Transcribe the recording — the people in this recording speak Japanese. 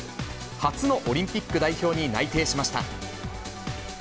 初のオリンピック代表に内定しました。